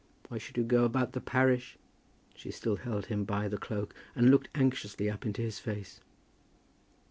Why should you go about the parish?" She still held him by the cloak, and looked anxiously up into his face.